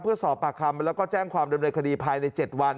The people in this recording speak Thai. เพื่อสอบปากคำแล้วก็แจ้งความดำเนินคดีภายใน๗วัน